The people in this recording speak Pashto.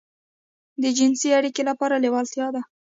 د جنسي اړيکې لپاره لېوالتيا ده.